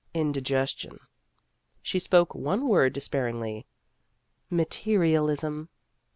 " Indigestion." She spoke one word despairingly " Materialism."